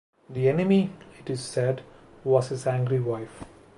The enemy, it is said, was his angry wife.